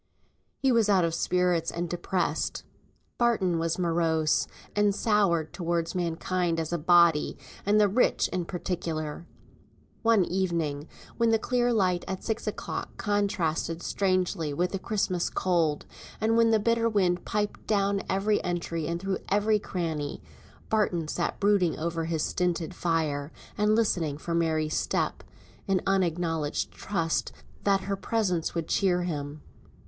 He was out of spirits and depressed. Barton was morose, and soured towards mankind as a body, and the rich in particular. One evening, when the clear light at six o'clock contrasted strangely with the Christmas cold, and when the bitter wind piped down every entry, and through every cranny, Barton sat brooding over his stinted fire, and listening for Mary's step, in unacknowledged trust that her presence would cheer him.